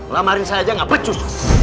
lamarin saya aja nggak pecus